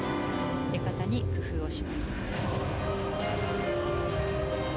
出方に工夫をします。